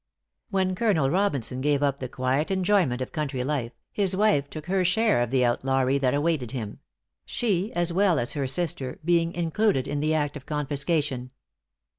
When Colonel Robinson gave up the quiet enjoyment of country life, his wife took her share of the outlawry that awaited him; she, as well as her sister, being included in the act of confiscation.